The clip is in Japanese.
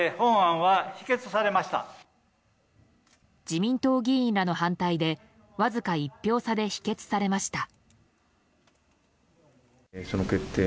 自民党議員らの反対でわずか１票差で否決されました。